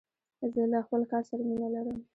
زه له خپل کار سره مینه لرم.